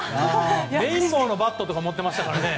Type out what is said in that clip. レインボーのバットとか持ってましたから。